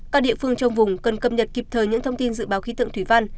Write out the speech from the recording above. các địa phương trong vùng cần cập nhật kịp thời những thông tin dự báo khí tượng thủy văn